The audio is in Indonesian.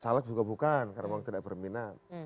caleg juga bukan karena memang tidak berminat